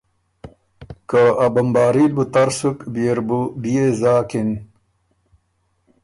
که ا بمباري ل بُو تر سُک بيې ر بُو بيې زاکِن۔